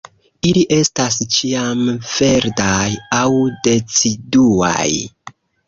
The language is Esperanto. Ili estas ĉiamverdaj aŭ deciduaj.